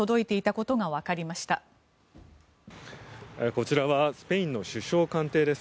こちらはスペインの首相官邸です。